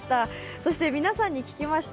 そして、皆さんに聞きました。